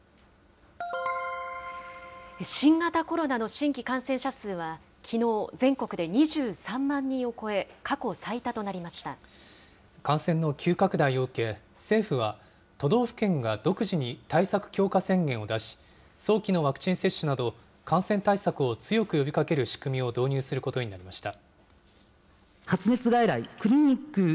新型コロナの新規感染者数は、きのう、全国で２３万人を超え、感染の急拡大を受け、政府は、都道府県が独自に対策強化宣言を出し、早期のワクチン接種など、感染対策を強く呼びかける仕組みを導入することになりました。